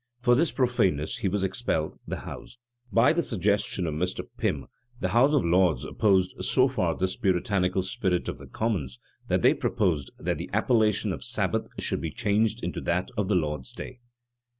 For this profaneness he was expelled the house, by the suggestion of Mr. Pym the house of lords opposed so far this Puritanical spirit of the commons that they proposed that the appellation of Sabbath should be changed into that of the Lord's day.